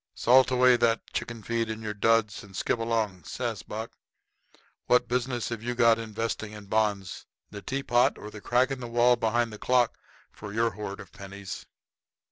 "Salt away that chicken feed in your duds, and skip along," says Buck. "What business have you got investing in bonds? The tea pot or the crack in the wall behind the clock for your hoard of pennies."